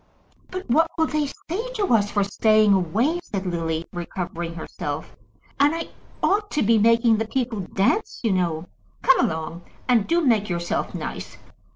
"But what will they say to us for staying away?" said Lily, recovering herself. "And I ought to be making the people dance, you know. Come along, and do make yourself nice.